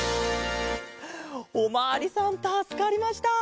おまわりさんたすかりました。